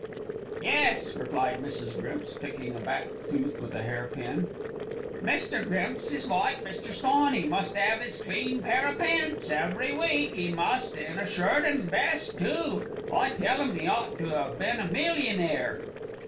"Yes," replied Mrs. Grimps, picking a back tooth with a hair pin. "Mr. Grimps is like Mr. Sawney, must 'ave 'is clean pair o' pants every week, 'e must, an' a shirt an' vest, too. I tell 'im he ought to 'ave been a millionaire."